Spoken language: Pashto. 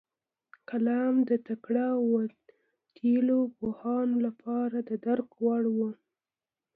کلام د تکړه او وتلیو پوهانو لپاره د درک وړ و.